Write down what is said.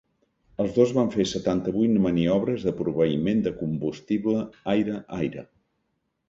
Els dos van fer setanta-vuit maniobres de proveïment de combustible aire-aire.